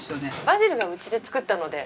バジルがうちで作ったので。